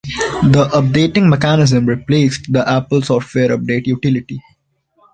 This updating mechanism replaced the Apple Software Update utility.